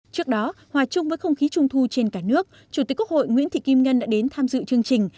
trước đó hòa chung với không khí trung thu trên cả nước chủ tịch quốc hội nguyễn thị kim ngân đã đến tham dự chương trình